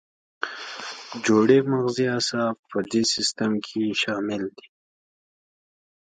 جوړې مغزي اعصاب په دې سیستم کې شامل دي.